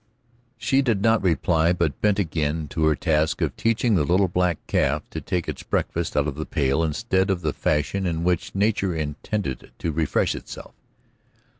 She did not reply, but bent again to her task of teaching the little black calf to take its breakfast out of the pail instead of the fashion in which nature intended it to refresh itself.